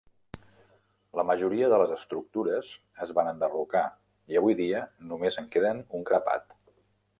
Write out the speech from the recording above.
La majoria de les estructures es van enderrocar, i avui dia només en queden un grapat.